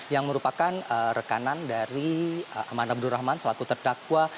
yang merupakan rekanan dari aman abdurrahman selaku terdakwa